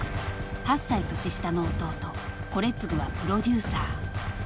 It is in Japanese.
［８歳年下の弟惟二はプロデューサー］